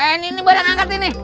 eh ini barang angkat ini